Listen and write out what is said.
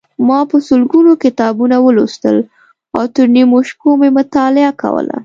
ما په سلګونو کتابونه ولوستل او تر نیمو شپو مې مطالعه کوله.